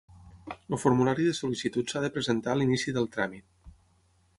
El formulari de sol·licitud s'ha de presentar a l'inici del tràmit.